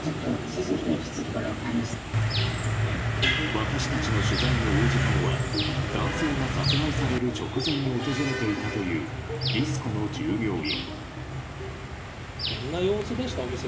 私たちの取材に応じたのは男性が殺害される直前に訪れていたというディスコの従業員。